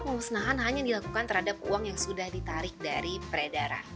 pemusnahan hanya dilakukan terhadap uang yang sudah ditarik dari peredaran